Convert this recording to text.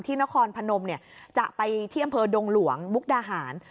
นครพนมจะไปที่อำเภอดงหลวงมุกดาหาร